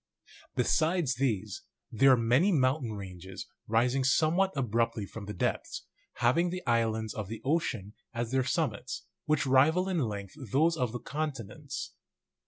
Besides these, there are many mountain ranges rising somewhat ab ruptly from the depths, having the islands of the oceani as their summits, which rival in length those of the con tinents.